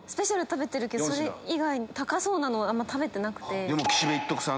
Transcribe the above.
食べてるけどそれ以外高そうなの食べてなくて。